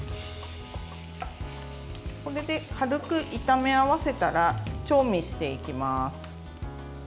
これで、軽く炒め合わせたら調味していきます。